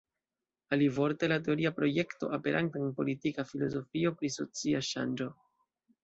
Alivorte, la teoria projekto aperanta en Politika Filozofio pri Socia Ŝanĝo.